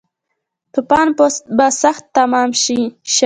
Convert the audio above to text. توپان به سخت تمام شی